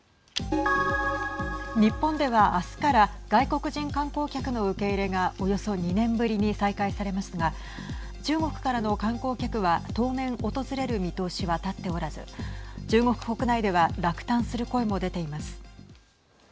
日本では、あすから外国人観光客の受け入れがおよそ２年ぶりに再開されますが中国からの観光客は当面訪れる見通しは立っておらず中国国内では落胆する声も出ています。